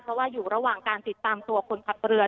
เพราะว่าอยู่ระหว่างการติดตามตัวคนขับเรือ